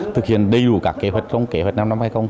thực hiện đầy đủ các kế hoạch không kế hoạch năm năm hay không